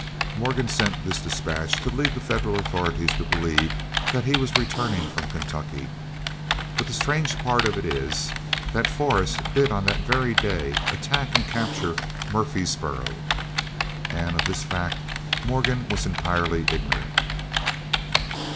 Morgan sent this dispatch to lead the Federal authorities to believe that he was returning from Kentucky. But the strange part of it is that Forrest did on that very day attack and capture Murfreesboro, and of this fact Morgan was entirely ignorant.